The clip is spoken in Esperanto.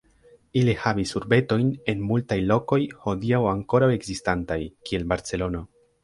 Ili havis urbetojn en multaj lokoj hodiaŭ ankoraŭ ekzistantaj kiel Barcelono.